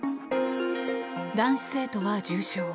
男子生徒は重傷。